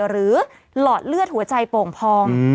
หลอดเลือดหัวใจโป่งพอง